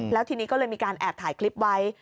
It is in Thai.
แล้วทีนี้ก็เลยมีการแอบถ่ายคลิปไว้